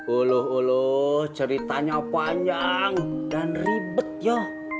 uluh uluh ceritanya panjang dan ribet ya